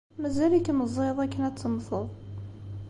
Mazal-ik meẓẓiyeḍ akken ad temmteḍ.